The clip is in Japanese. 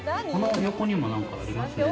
横にも何かありますね。